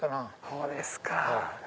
そうですか。